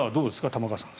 玉川さん。